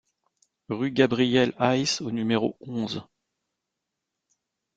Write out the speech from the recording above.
Rue Gabriel Hayes au numéro onze